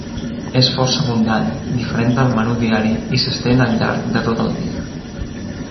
És força abundant, diferent del menú diari i s'estén al llarg de tot el dia.